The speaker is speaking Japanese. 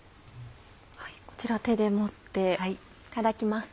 こちら手で持っていただきます。